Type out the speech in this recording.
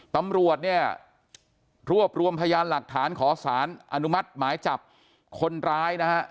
ตำรวจเนี่ยรวบรวมพยานหลักฐานขอสารอนุมัติหมายจับคนร้ายนะฮะ